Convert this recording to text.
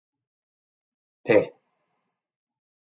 Paix!